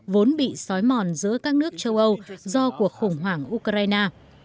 vốn bị xói mòn giữa các nước châu âu do cuộc khủng hoảng ukraine